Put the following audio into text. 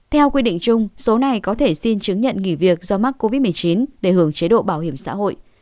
theo quy định chung số này có thể xin chứng nhận nghỉ việc do mắc covid một mươi chín để hưởng chế độ bảo hiểm xã hội